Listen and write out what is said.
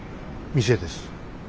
店です。